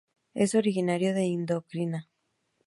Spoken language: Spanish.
Es originario de Indochina.